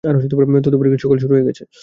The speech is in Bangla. তদুপরি গ্রীষ্মকাল শুরু হয়ে গেছে।